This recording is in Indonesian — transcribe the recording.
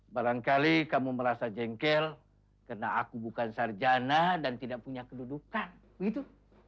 barangkali kamu merasa jengkel karena aku bukan sarjana dan tidak punya kedudukan begitu